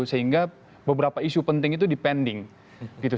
sehingga beberapa isu penting itu dipending gitu